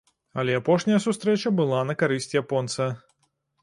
Але апошняя сустрэча была на карысць японца.